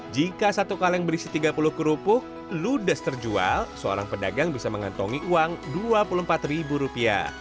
jika satu kaleng berisi tiga puluh kerupuk ludes terjual seorang pedagang bisa mengantongi uang rp dua puluh empat